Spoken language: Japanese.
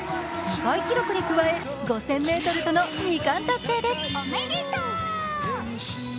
世界記録に加え、５０００ｍとの二冠達成です。